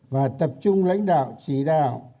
và tập trung lãnh đạo chỉ đạo